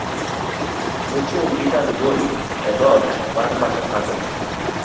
Nochung' gi tandboi e doot mar matoka no.